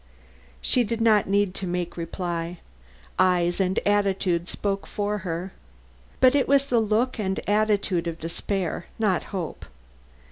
She did not need to make reply; eyes and attitude spoke for her. But it was the look and attitude of despair, not hope.